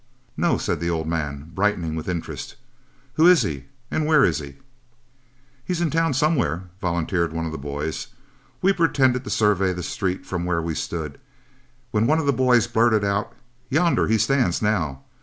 "'No,' said the old man, brightening with interest, 'who is he and where is he?' "'He's in town somewhere,' volunteered one of the boys. We pretended to survey the street from where we stood, when one of the boys blurted out, 'Yonder he stands now.